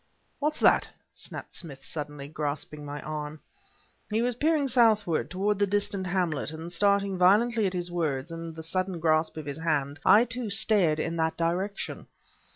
"What's that?" snapped Smith suddenly, grasping my arm. He was peering southward, toward the distant hamlet, and, starting violently at his words and the sudden grasp of his hand, I, too, stared in that direction.